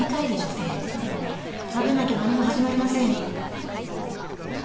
食べなきゃ何も始まりませんよ。